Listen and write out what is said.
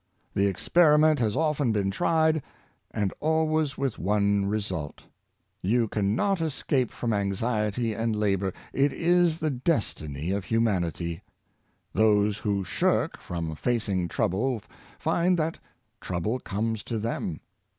The experiment has often been tried, and always with one result. You can not escape from anxiety and labor — it is the destiny of humanity. •}f jf H Those who shirk from facing trouble find that trouble comes to them.